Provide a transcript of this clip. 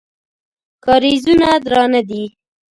کارېزونه درانه دي.